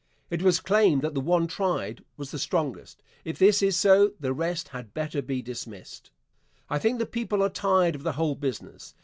It was claimed that the one tried was the strongest. If this is so the rest had better be dismissed. I think the people are tired of the whole business.